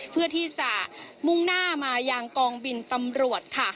เพื่อที่จะมุ่งหน้ามายังกองบินตำรวจค่ะ